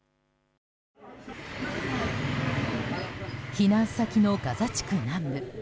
避難先のガザ地区南部。